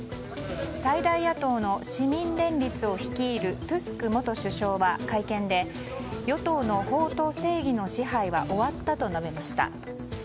最大野党の市民連立を率いるトゥスク元首相は会見で与党の法と正義の支配は終わったと述べました。